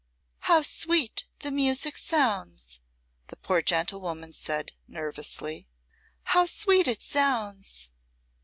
"How sweet the music sounds," the poor gentlewoman said, nervously. "How sweet it sounds."